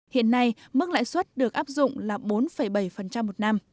hiện nay mức lãi suất được áp dụng là bốn bảy một năm